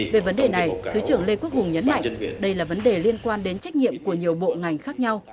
về vấn đề này thứ trưởng lê quốc hùng nhấn mạnh đây là vấn đề liên quan đến trách nhiệm của nhiều bộ ngành khác nhau